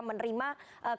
menerima kondisi yang memang